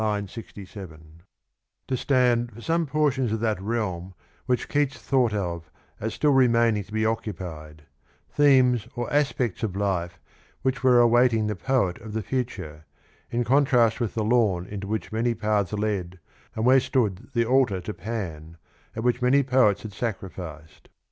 67) to Stand for some portions of that realm which Keats thought of as still remaining to be occupied; themes or aspects of life which were awaiting the poet of the future, in contrast with the lawn into which many paths led and where stood the altar to Pan, at which many poets had sacrificed.